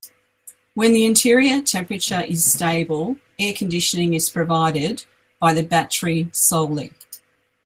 When the interior temperature is stable, air conditioning is provided by the battery solely.